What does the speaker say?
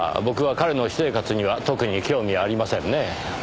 僕は彼の私生活には特に興味ありませんねぇ。